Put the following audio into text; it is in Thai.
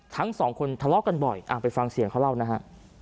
ทั้งสองคนทะเลาะกันบ่อยไปฟังเสียงเขาเล่านะฮะ